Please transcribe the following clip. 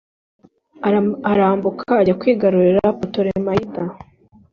arambuka ajya kwigarurira putolemayida